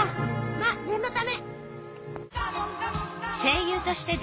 まぁ念のため。